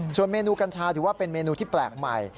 ส่วนเมนูกัญชาถือว่าเป็นเมนูที่แปลกใหม่